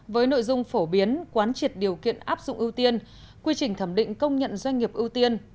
với nội dung phổ biến quán triệt điều kiện áp dụng ưu tiên quy trình thẩm định công nhận doanh nghiệp ưu tiên